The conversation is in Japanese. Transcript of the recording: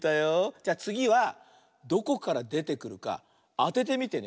じゃあつぎはどこからでてくるかあててみてね。